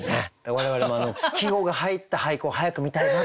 我々も季語が入った俳句を早く見たいなという思いが。